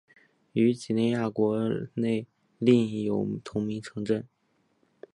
于几内亚国内另有同名城镇。